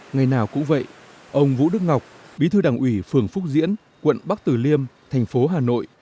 ngày nào cũng vậy ông vũ đức ngọc bí thư đảng ủy phường phúc diễn quận bắc tử liêm thành phố hà nội